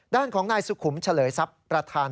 ด้านของนายสุขุมเฉลยทรัพย์ประธาน